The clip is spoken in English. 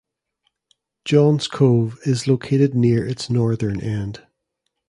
John's Cove is located near its northern end.